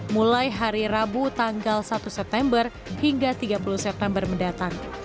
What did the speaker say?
mulai hari rabu tanggal satu september hingga tiga puluh september mendatang